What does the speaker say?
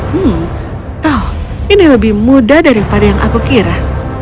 hmm ini lebih mudah daripada yang aku kira